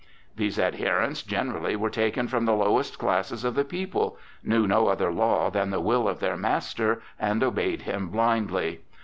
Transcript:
These adherents generally were taken from the lowest classes of the people, knew no other law than the will of their master, and obeyed him blindly.